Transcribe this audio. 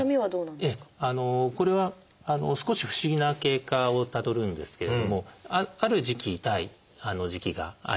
これは少し不思議な経過をたどるんですけれどもある時期痛い時期があります。